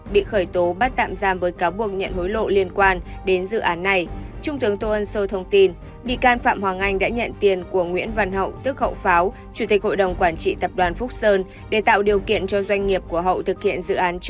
và nguyên lãnh đạo tỉnh quảng ngãi điều tra việc nhận hối lộ của nguyễn văn hậu để tạo điều kiện cho các dự án